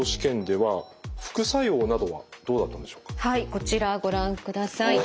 こちらご覧ください。